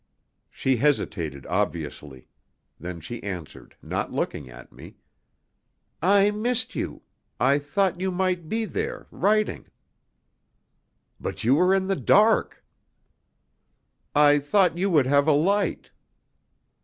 She hesitated obviously. Then she answered, not looking at me: "I missed you. I thought you might be there writing." "But you were in the dark." "I thought you would have a light."